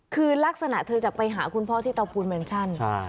คือลักษณะเธอจะไปหาคุณพ่อที่เตาปูนแมนชั่น